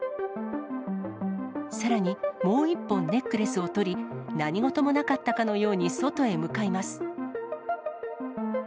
さらにもう１本、ネックレスを取り、何事もなかったかのように、外へ向かいます。